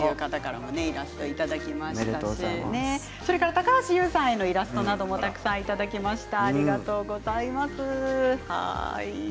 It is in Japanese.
高橋優さんへのイラストもいただきました。